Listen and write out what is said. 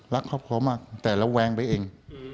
รักครอบครัวมากแต่ระแวงไปเอง